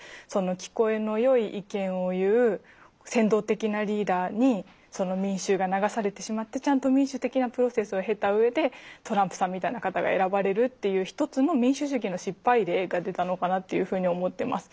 聞こえのよい意見を言う先導的なリーダーに民衆が流されてしまってちゃんと民主的なプロセスを経たうえでトランプさんみたいな方が選ばれるっていう一つの民主主義の失敗例が出たのかなっていうふうに思ってます。